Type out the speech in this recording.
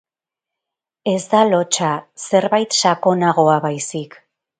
Ez da lotsa, zerbait sakonagoa baizik.